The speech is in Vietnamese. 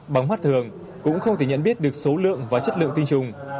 bóng mắt thường cũng không thể nhận biết được số lượng và chất lượng tinh trùng